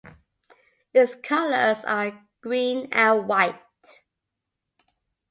Its colours are green and white.